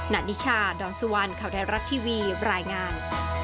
นานิชาดอนสุวรรณเข้าแทนรัฐทีวีบรรยายงาน